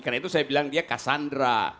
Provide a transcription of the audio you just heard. karena itu saya bilang dia kassandra